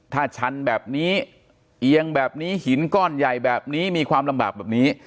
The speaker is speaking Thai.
ถ้าชันแบบนี้เอียงแบบนี้หินก้อนใหญ่แบบนี้มีความลำบากแบบนี้